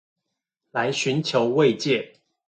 來尋求慰藉